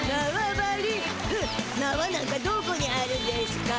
ふんなわなんかどこにあるんでしゅか？